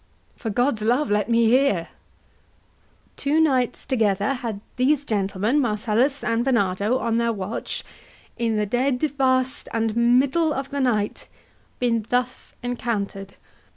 HAMLET. For God's love let me hear. HORATIO. Two nights together had these gentlemen, Marcellus and Barnardo, on their watch In the dead waste and middle of the night, Been thus encounter'd.